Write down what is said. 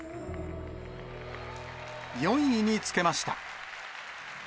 ４位につけました。